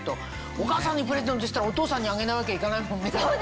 お母さんにプレゼントしたらお父さんにあげないわけいかないもんね。